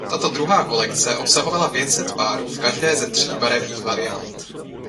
Tato druhá kolekce obsahovala pět set párů v každé ze tří barevných variant.